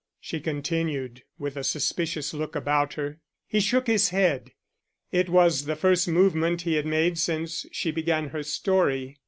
she continued, with a suspicious look about her. He shook his head. It was the first movement he had made since she began her story.